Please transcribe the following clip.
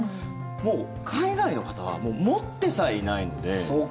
もう海外の方は持ってさえいないので。